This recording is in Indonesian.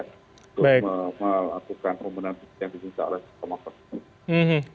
untuk melakukan pemenang yang diminta oleh mahkamah konstitusi